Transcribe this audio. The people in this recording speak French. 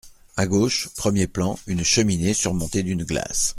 À gauche, premier plan, une cheminée surmontée d’une glace.